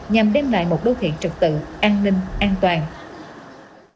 nhằm đem lại một đô thị trực tự an ninh an toàn